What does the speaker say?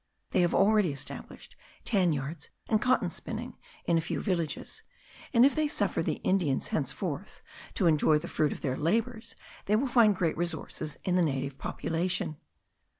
They have already established tan yards and cotton spinning in a few villages; and if they suffer the Indians henceforth to enjoy the fruit of their labours, they will find great resources in the native population.